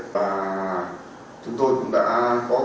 và chúng tôi cũng đã có cái kế hoạch